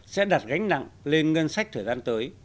sẽ đặt gánh nặng lên ngân sách thời gian tới